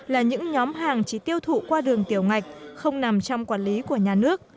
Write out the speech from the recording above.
là những nhóm hàng chỉ tiêu thụ qua đường tiểu ngạch không nằm trong quản lý của nhà nước